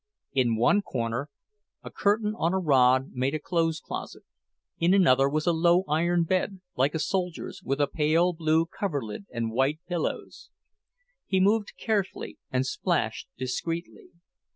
In one corner, a curtain on a rod made a clothes closet; in another was a low iron bed, like a soldier's, with a pale blue coverlid and white pillows. He moved carefully and splashed discreetly.